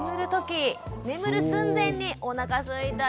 眠る寸前に「おなかすいたよ」。